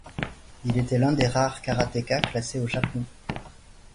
Il était l'un des rares karatéka classé au Japon.